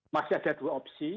masih ada dua opsi